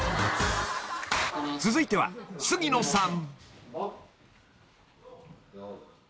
［続いては杉野さん］